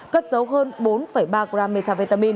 cất dấu hơn bốn ba gram methamphetamine